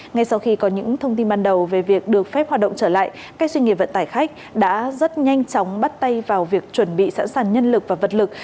ngay sau khi có những thông tin ban đầu về việc được phép hoạt động trở lại các doanh nghiệp vận tải khách đã rất nhanh chóng bắt tay vào việc chuẩn bị sẵn sàng nhân lực và vật lực